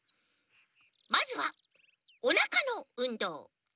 まずはおなかのうんどう！